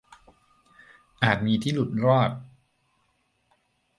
- อาจมีที่หลุดรอด